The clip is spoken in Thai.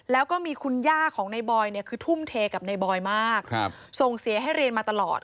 แล้วก็มีคุณย่าของในบอยเนี่ยคือทุ่มเทกับในบอยมากส่งเสียให้เรียนมาตลอด